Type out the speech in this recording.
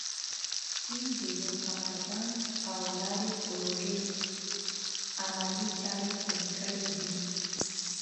چین د یو کمربند او لارې پروژې عملي چارې پيل کړي دي.